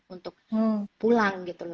untuk pulang gitu loh